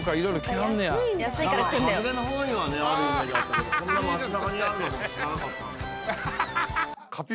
外れの方にはねあるイメージあったけどこんな町なかにあるの僕知らなかったんで。